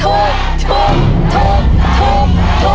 ถูกถูกถูกถูก